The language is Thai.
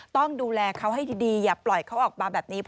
ต้องดูแลเขาให้ดีอย่าปล่อยเขาออกมาแบบนี้